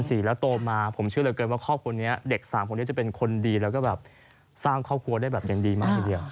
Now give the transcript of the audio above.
สี่แล้วโตมาผมเชื่อเหลือเกินว่าครอบครัวนี้เด็ก๓คนนี้จะเป็นคนดีแล้วก็แบบสร้างครอบครัวได้แบบอย่างดีมากทีเดียว